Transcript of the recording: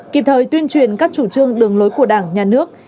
kịp thời tuyên truyền các chủ trương đường lối của đảng nhà nước